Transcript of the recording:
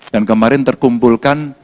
dan kemarin terkumpulkan